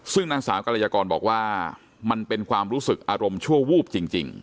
ซึ่งนางสาวกรยากรบอกว่ามันเป็นความรู้สึกอารมณ์ชั่ววูบจริง